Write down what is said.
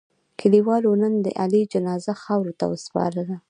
کلیوالو نن د علي جنازه خاورو ته و سپارله.